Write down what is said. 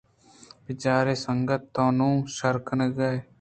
بچار سنگت ! تو نوں شر کنگ ءَ نئے